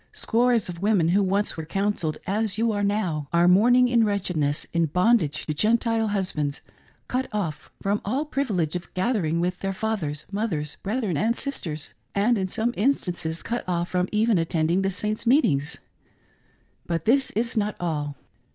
Scores of women who once were counselled as you are now, are mourning in wretchedness, in bondage to Gentile husbands, cut off from all privilege of gathering with their fathers, mothers, brethren, and sisters ; and, in some instances, cut off from even attending the Saints' meetings. But this is not all.